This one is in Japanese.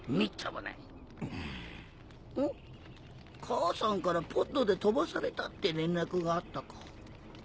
母さんからポッドで飛ばされたって連絡があったか。